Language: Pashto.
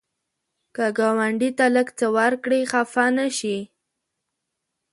که ګاونډي ته لږ څه ورکړې، خفه نشي